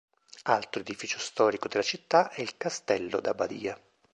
Altro edificio storico della città è il Castello d'Abbadia.